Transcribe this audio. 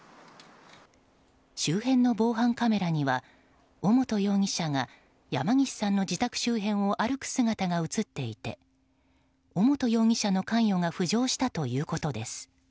周辺の防犯カメラには尾本容疑者が山岸さんの自宅周辺を歩く姿が映っていて尾本容疑者の関与が浮上したということです。